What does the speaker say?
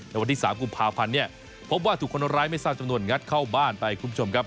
วันที่๓กุมภาพันธ์เนี่ยพบว่าถูกคนร้ายไม่ทราบจำนวนงัดเข้าบ้านไปคุณผู้ชมครับ